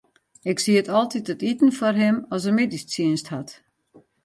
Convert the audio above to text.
Ik sied altyd it iten foar him as er middeistsjinst hat.